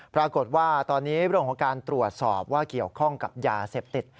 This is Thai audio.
ปรากฏว่าตอนนี้เรื่องของการตรวจสอบว่าเกี่ยวข้องกับยาเสพติด